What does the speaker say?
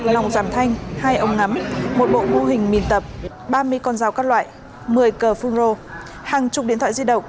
một lòng giảm thanh hai ống ngắm một bộ mô hình mìn tập ba mươi con dao các loại một mươi cờ phun rô hàng chục điện thoại di động